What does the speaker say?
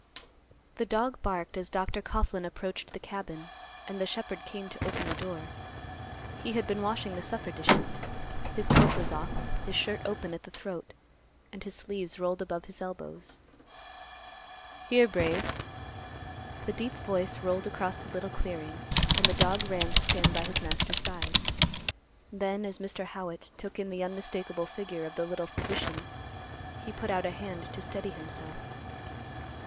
The dog barked as Dr. Coughlan approached the cabin, and the shepherd came to the open door. He had been washing the supper dishes. His coat was off, his shirt open at the throat, and his sleeves rolled above his elbows. "Here, Brave." The deep voice rolled across the little clearing, and the dog ran to stand by his master's side. Then, as Mr. Howitt took in the unmistakable figure of the little physician, he put out a hand to steady himself.